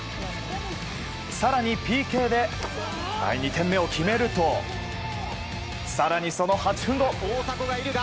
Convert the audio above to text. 更に、ＰＫで第２点目を決めると更にその８分後。